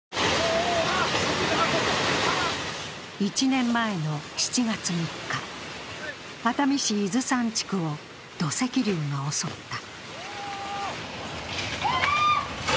１年前の７月３日、熱海市伊豆山地区を土石流が襲った。